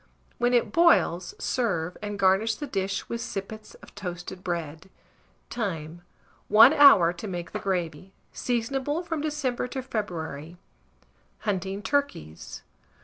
When it boils, serve, and garnish the dish with sippets of toasted bread. Time. 1 hour to make the gravy. Seasonable from December to February. HUNTING TURKEYS.